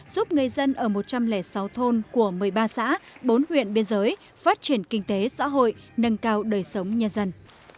giúp người dân ở một trăm linh sáu thôn của một mươi ba xã bốn huyện biên giới phát triển kinh tế xã hội nâng cao đời sống nhân dân